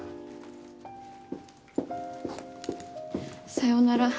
さようなら。